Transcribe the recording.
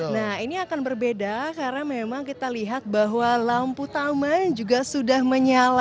nah ini akan berbeda karena memang kita lihat bahwa lampu taman juga sudah menyala